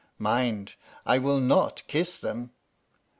" Mind, I will not kiss them."